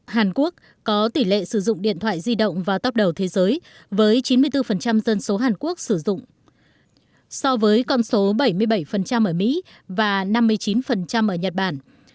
hàn quốc có tỷ lệ sử dụng điện thoại di động vào tóp đầu thế giới với chín mươi bốn dân số hàn quốc sử dụng so với con số bảy mươi bảy ở mỹ và năm mươi chín ở nhật bản